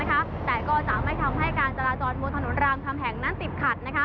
แต่ก็จะไม่ทำให้การจราจรบนถนนรามคำแห่งนั้นติดขัด